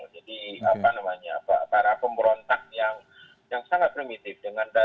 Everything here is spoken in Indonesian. jadi apa namanya para pemberontak yang sangat primitif